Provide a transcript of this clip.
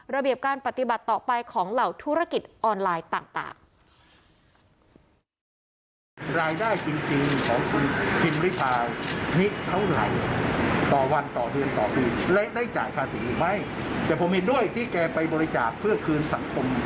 ระเบียบการปฏิบัติต่อไปของเหล่าธุรกิจออนไลน์ต่าง